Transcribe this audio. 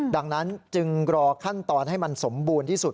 ดังนั้นจึงรอขั้นตอนให้มันสมบูรณ์ที่สุด